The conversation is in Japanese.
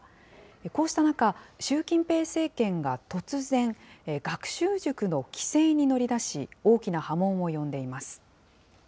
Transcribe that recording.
こうした中、習近平政権が突然、学習塾の規制に乗り出し、大きな波紋を呼んでいます。